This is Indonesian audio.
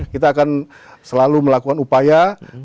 kita akan selalu melakukan upaya